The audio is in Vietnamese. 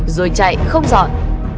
rồi chạy không dọn